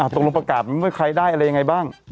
ตรงลงประกาศไม่มีใครได้อะไรยังไงบ้าง